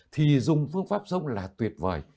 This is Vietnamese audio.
thì dùng phương pháp sông là tuyệt vời